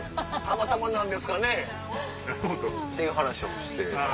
「たまたまなんですかね？」っていう話もしてましたし。